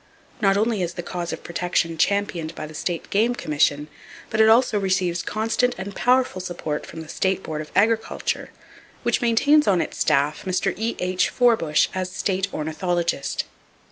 Not only is the cause of protection championed by the State Game Commission but it also receives constant and powerful support from the State Board of Agriculture, which maintains on its staff Mr. E.H. Forbush as State Ornithologist.